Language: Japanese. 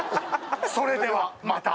それではまた。